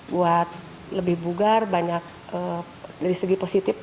buat lebih bugar banyak dari segi positif